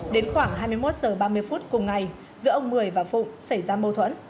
đến khoảng hai mươi một h ba mươi phút cùng ngày giữa ông mười và phụng xảy ra mâu thuẫn